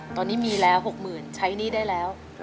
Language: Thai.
ตอนนี้มีแล้วหกหมื่นใช้หนี้ได้แล้ว